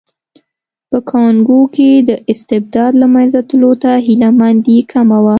په کانګو کې د استبداد له منځه تلو ته هیله مندي کمه وه.